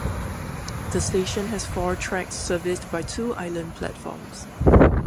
The station has four tracks serviced by two island platforms.